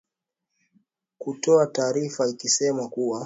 kutoa taarifa ikisema kuwa